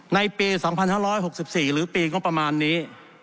ในปี๒๕๖๔หรือปีงบประมาณนี้